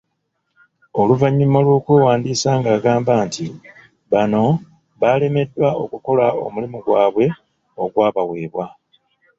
Oluvannyuma lw'okwewandiisa ng'agamba nti bano baalemeddwa okukola omulimu gwabwe ogwabawebwa.